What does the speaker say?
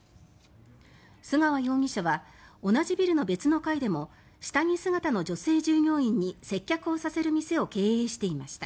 須川容疑者は同じビルの別の階でも下着姿の女性従業員に接客をさせる店を経営していました。